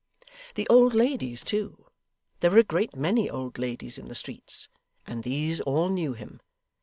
The old ladies too there were a great many old ladies in the streets, and these all knew him.